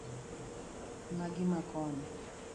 Magi ma koni